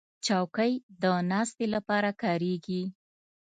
چوکۍ د ناستې لپاره کارېږي.